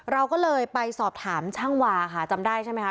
เราก็เลยไปสอบถามช่างวาค่ะจำได้ใช่ไหมคะ